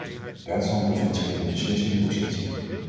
Duitsland bevindt zich in een beslissende positie.